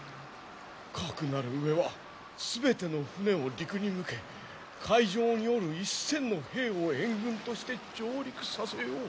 かくなる上は全ての船を陸に向け海上におる１，０００の兵を援軍として上陸させよう。